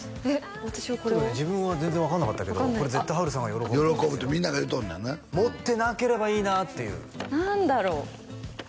私にこれを自分は全然分かんなかったけどこれ絶対波瑠さんが喜ぶって喜ぶってみんなが言うとんのやな持ってなければいいなっていう何だろう？